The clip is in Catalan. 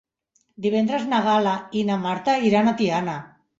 Divendres na Gal·la i na Marta iran a Tiana.